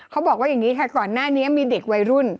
เขาบอกว่าอย่างนี้ค่ะก่อนหน้านี้มีเด็กวัยรุ่น